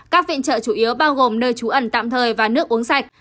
các viện trợ chủ yếu bao gồm nơi trú ẩn tạm thời và nước uống sạch